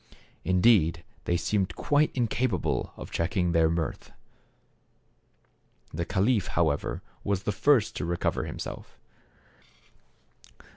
Indeed they seemed quite incapable of checking their mirth. The caliph however was the first to recover himself.